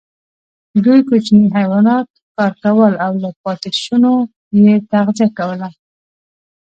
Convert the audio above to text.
دوی کوچني حیوانات ښکار کول او له پاتېشونو یې تغذیه کوله.